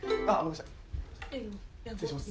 失礼します。